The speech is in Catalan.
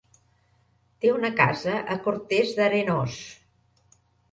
Té una casa a Cortes d'Arenós.